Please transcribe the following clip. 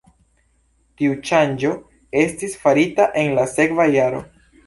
Tiu ŝanĝo estis farita en la sekva jaro.